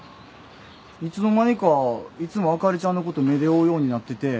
いつの間にかいつもあかりちゃんのこと目で追うようになってて。